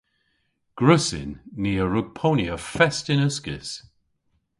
Gwrussyn. Ni a wrug ponya fest yn uskis.